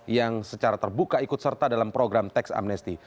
yang secara terbuka ikut serta dalam program teks amnesti